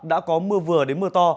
đã có mưa vừa đến mưa to